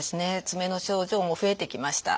爪の症状も増えてきました。